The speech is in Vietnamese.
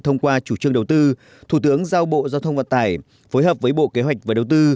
thông qua chủ trương đầu tư thủ tướng giao bộ giao thông vận tải phối hợp với bộ kế hoạch và đầu tư